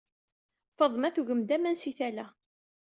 Faḍma tuggem-d aman si tala.